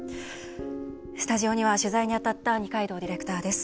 スタジオには、取材に当たった二階堂ディレクターです。